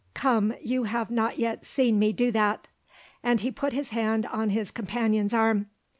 Come, you have not yet seen me do that," and he put his hand on his companion's arm.